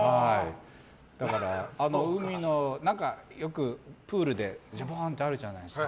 だから海の、よくプールでジャボンってあるじゃないですか